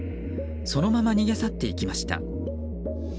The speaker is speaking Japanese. そのまま逃げ去っていきました。